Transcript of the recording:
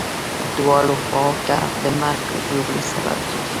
دواړو خواوو ته د مرګ ژوبلې سبب کېږي.